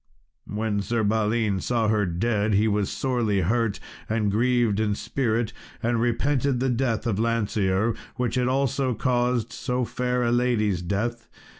When Sir Balin saw her dead he was sorely hurt and grieved in spirit, and repented the death of Lancear, which had also caused so fair a lady's death.